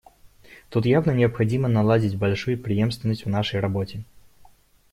Тут явно необходимо наладить большую преемственность в нашей работе.